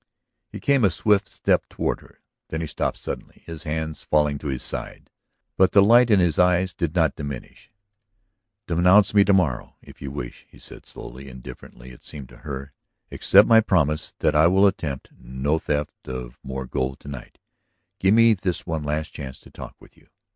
He came a swift step toward her. Then he stopped suddenly, his hands falling to his sides. But the light in his eyes did not diminish. "Denounce me to morrow, if you wish," he said slowly, indifferently it seemed to her. "Accept my promise that I will attempt no theft of more gold to night; give me this one last chance to talk with you.